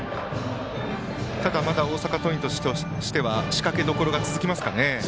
ただ、まだ大阪桐蔭としては仕掛けどころが続きますかね。